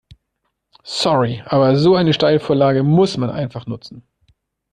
Sorry, aber so eine Steilvorlage muss man einfach nutzen.